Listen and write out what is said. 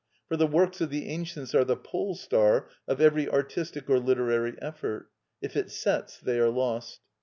For the works of the ancients are the pole star of every artistic or literary effort; if it sets they are lost.